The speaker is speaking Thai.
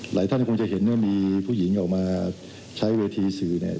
ท่านคงจะเห็นว่ามีผู้หญิงออกมาใช้เวทีสื่อเนี่ย